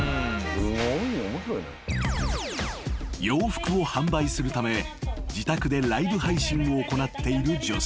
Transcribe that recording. ［洋服を販売するため自宅でライブ配信を行っている女性］